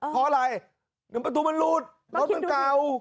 เพราะอะไรเป็นประตูมันหลุดเร็วแล้วเก่า